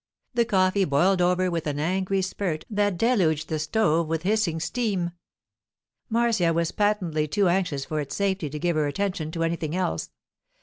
The coffee boiled over with an angry spurt that deluged the stove with hissing steam. Marcia was patently too anxious for its safety to give her attention to anything else.